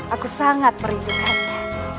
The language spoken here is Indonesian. aku sangat merindukannya